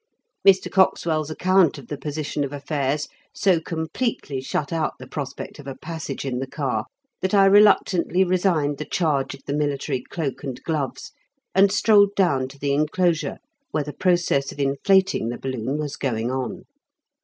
Mr. Coxwell's account of the position of affairs so completely shut out the prospect of a passage in the car that I reluctantly resigned the charge of the military cloak and gloves, and strolled down to the enclosure where the process of inflating the balloon was going on.